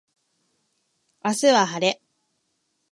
明日は晴れ